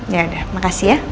yaudah makasih ya